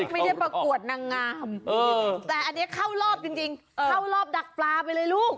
ไม่ได้ประกวดนางงามแต่อันนี้เข้ารอบจริงเข้ารอบดักปลาไปเลยลูก